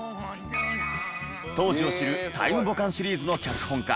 当時を知る『タイムボカンシリーズ』の脚本家